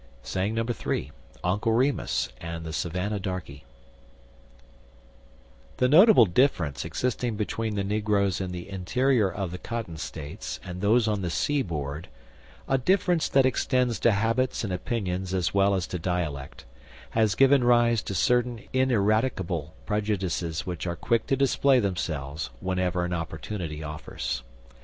III. UNCLE REMUS AND THE SAVANNAH DARKEY THE notable difference existing between the negroes in the interior of the cotton States and those on the seaboard a difference that extends to habits and opinions as well as to dialect has given rise to certain ineradicable prejudices which are quick to display themselves whenever an opportunity offers.